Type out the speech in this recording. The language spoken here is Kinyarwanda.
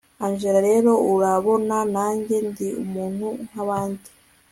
angella rero, urabona nanjye ndi umuntu nkabandi